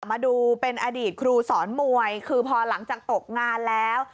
มาดูเป็นอดีตครูสอนมวยคือพอหลังจากตกงานแล้ว